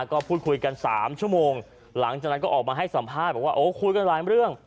ก็พูดคุยกัน๓ชั่วโมงหลังจากนั้นก็ออกมาให้สัมภาษณ์บอกว่าโอ้คุยกันหลายเรื่อง